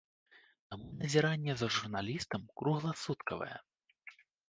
Таму назіранне за журналістам кругласуткавае.